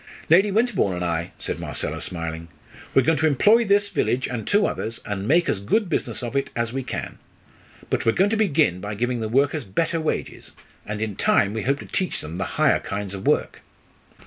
"Lady Winterbourne and I," said Marcella, smiling. "We're going to employ this village and two others, and make as good business of it as we can. But we're going to begin by giving the workers better wages, and in time we hope to teach them the higher kinds of work."